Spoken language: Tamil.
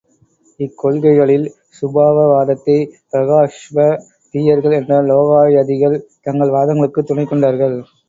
இக்கொள்கைகளில் சுபாவவாதத்தை பிரஹாஸ்ப தீயர்கள் என்ற லோகாயதிகள் தங்கள் வாதங்களுக்குத் துணைக்கொண்டார்கள்.